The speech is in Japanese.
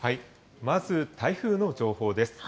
まず台風の情報です。